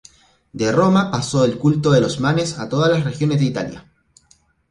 De Roma pasó el culto de los manes a todas las regiones de Italia.